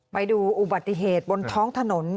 ไปดูอุบัติเหตุบนท้องถนน